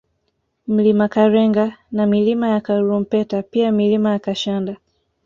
Mlima Karenga na Milima ya Karurumpeta pia Milima ya Kashanda